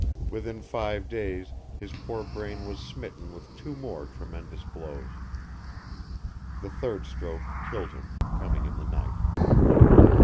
Within five days his poor brain was smitten with two more tremendous blows. The third stroke killed him, coming in the night.